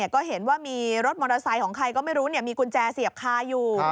ก็เห็นว่ามีรถมอเตอร์ไซค์ของใครก็ไม่รู้มีกุญแจเสียบคาอยู่